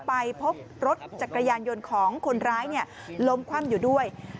ไปพบรถจักรยานยนต์ของคนร้ายล้มคว่ำอยู่ด้วย